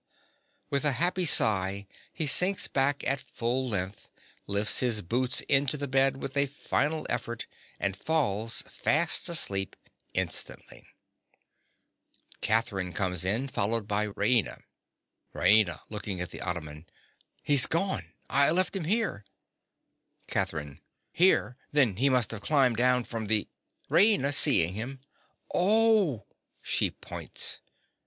_) Ah! (_With a happy sigh he sinks back at full length; lifts his boots into the bed with a final effort; and falls fast asleep instantly._) (Catherine comes in, followed by Raina.) RAINA. (looking at the ottoman). He's gone! I left him here. CATHERINE. Here! Then he must have climbed down from the— RAINA. (seeing him). Oh! (_She points.